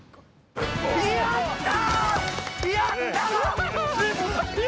やった！